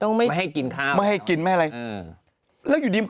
ไม่ให้กินข้าวไม่ให้กินไม่อะไรอืมแล้วอยู่ดี